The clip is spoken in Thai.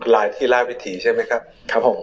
รายที่ลายวิธีใช่ไหมครับ